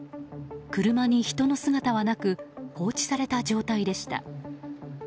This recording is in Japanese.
車に人の姿はなく放置された状態でした。